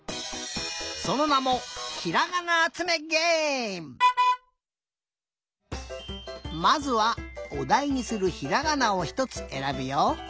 そのなもまずはおだいにするひらがなをひとつえらぶよ。